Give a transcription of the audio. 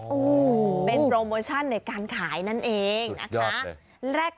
โอ้เป็นโปรโมชั่นในการขายนั่นเองสุดยอดเลย